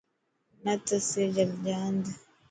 نه ته ٿي جاند.